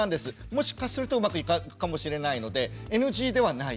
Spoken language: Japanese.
もしかするとうまくいくかもしれないのでＮＧではないです。